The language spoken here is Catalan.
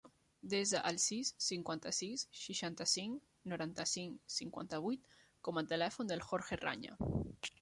Desa el sis, cinquanta-sis, seixanta-cinc, noranta-cinc, cinquanta-vuit com a telèfon del Jorge Raña.